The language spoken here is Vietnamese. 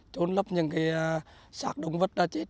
trốn lấp những sát động vật đã chết